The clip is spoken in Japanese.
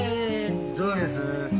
どうです？